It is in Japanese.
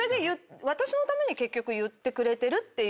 私のために結局言ってくれてるっていうことなんで。